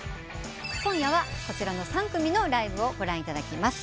今夜はこちらの３組のライブをご覧いただきます。